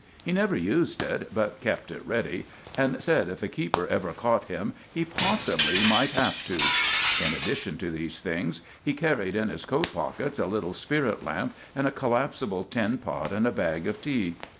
He never used it, but kept it ready, and said if a keeper ever caught him he possibly might have to. In addition to these things he carried in his coat pockets a little spirit lamp and a collapsible tin pot and a bag of tea.